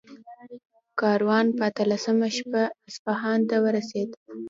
کاروان په اتلسمه شپه اصفهان ته ورسېد.